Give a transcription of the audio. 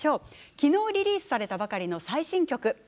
昨日リリースされたばかりの最新曲です。